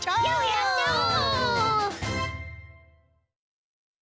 やっちゃおう！